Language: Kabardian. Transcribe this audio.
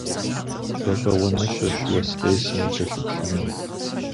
Гъэщӏэгъуэныщэщ уэс къесым укӏэлъыплъыну.